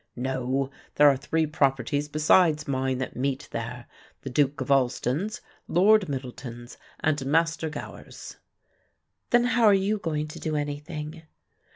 "No, there are three properties besides mine that meet there, the Duke of Alston's, Lord Middleton's and Master Gower's." "Then how are you going to do anything?"